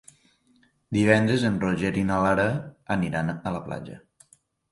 Divendres en Roger i na Lara aniran a la platja.